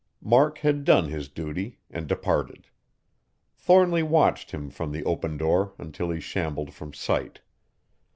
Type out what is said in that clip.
Mark had done his duty and departed. Thornly watched him from the open door until he shambled from sight.